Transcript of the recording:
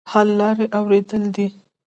حل لاره اورېدل دي.